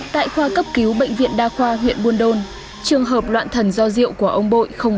tại khoa cấp cứu bệnh viện đa khoa huyện buôn đôn trường hợp loạn thần do rượu của ông bộ không